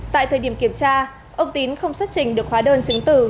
tại thời điểm kiểm tra ông tín không xuất trình được hóa đơn chứng từ